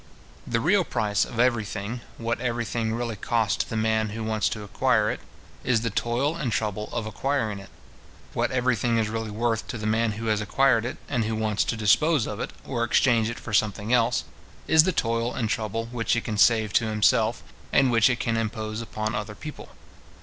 The real price of every thing, what every thing really costs to the man who wants to acquire it, is the toil and trouble of acquiring it. What every thing is really worth to the man who has acquired it and who wants to dispose of it, or exchange it for something else, is the toil and trouble which it can save to himself, and which it can impose upon other people.